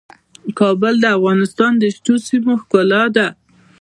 کابل د افغانستان د شنو سیمو ښکلا ده.